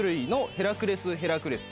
ヘラクレスヘラクレス。